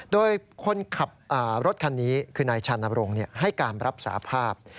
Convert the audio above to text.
โดยคนขับรถคันนี้คือนายชานบรงค์ให้การรับสาภาพ